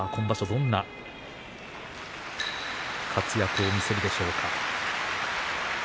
どんな活躍を見せるでしょうか。